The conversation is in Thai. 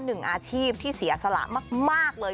หนึ่งอาชีพที่เสียสละมากเลย